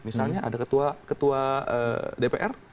misalnya ada ketua dpr